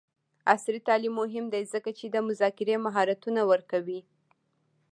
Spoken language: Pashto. عصري تعلیم مهم دی ځکه چې د مذاکرې مهارتونه ورکوي.